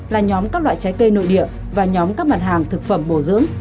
là nhóm các loại trái cây nội địa và nhóm các mặt hàng thực phẩm bổ dưỡng